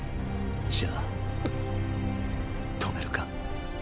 じゃあ止めるか？